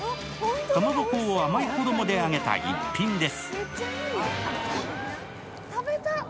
かまぼこを甘い衣で揚げた逸品です。